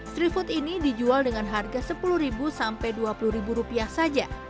street food ini dijual dengan harga rp sepuluh rp dua puluh saja